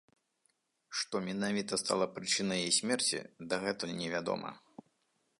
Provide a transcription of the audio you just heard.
Што менавіта стала прычынай яе смерці, дагэтуль не вядома.